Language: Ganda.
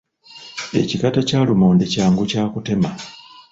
Ekikata kya lumonde kyangu kya kutema.